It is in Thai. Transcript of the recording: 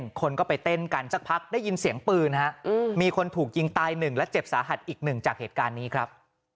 คนก็ไปเต้นกันสักพักได้ยินเสียงปืนฮะมีคนถูกยิงตายหนึ่งและเจ็บสาหัสอีกหนึ่งจากเหตุการณ์นี้ครับ